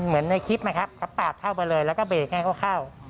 ในคลิปนะครับเขาปาดเข้าไปเลยแล้วก็เบรกให้เขาเข้า